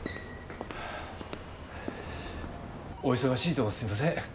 お忙しいとこすいません。